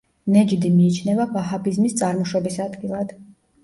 ნეჯდი მიიჩნევა ვაჰაბიზმის წარმოშობის ადგილად.